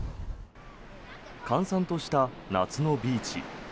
閑散とした夏のビーチ。